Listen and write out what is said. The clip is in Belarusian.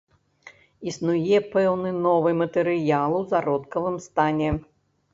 Існуе пэўны новы матэрыял у зародкавым стане.